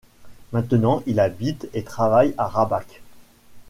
Maintenant il habite et travaille à Rabac.